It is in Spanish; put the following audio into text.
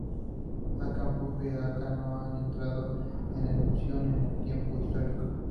Akan-Fuji y O-Akan no han entrado en erupción en el tiempo histórico.